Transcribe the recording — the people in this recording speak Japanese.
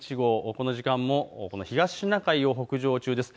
この時間も東シナ海を北上中です。